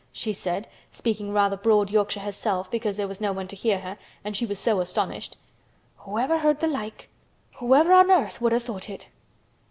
she said, speaking rather broad Yorkshire herself because there was no one to hear her and she was so astonished. "Whoever heard th' like! Whoever on earth would ha' thought it!"